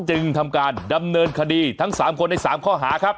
จึงทำการดำเนินคดีทั้ง๓คนใน๓ข้อหาครับ